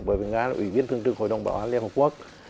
bởi vì nga là ủy viên thương trực hội đồng bảo an liên hợp quốc